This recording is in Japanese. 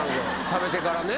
食べてからね。